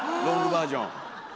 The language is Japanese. ロングバージョン。